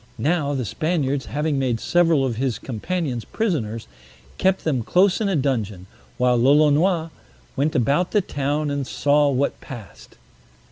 Now the Spaniards, having made several of his companions prisoners, kept them close in a dungeon, while Lolonois went about the town and saw what passed.